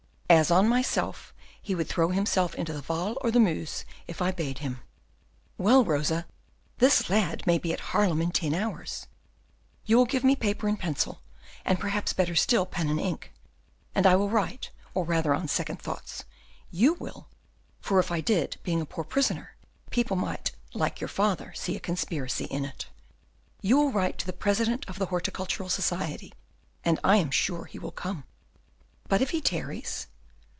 "As on myself; he would throw himself into the Waal or the Meuse if I bade him." "Well, Rosa, this lad may be at Haarlem in ten hours; you will give me paper and pencil, and, perhaps better still, pen and ink, and I will write, or rather, on second thoughts, you will, for if I did, being a poor prisoner, people might, like your father, see a conspiracy in it. You will write to the President of the Horticultural Society, and I am sure he will come." "But if he tarries?"